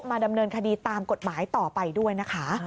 ดำเนินคดีตามกฎหมายต่อไปด้วยนะคะ